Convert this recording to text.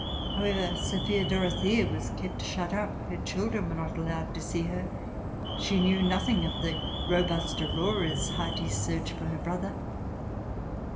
However, Sophia Dorothea was kept shut up, her children were not allowed to see her, she knew nothing of the robust Aurora's hearty search for her brother.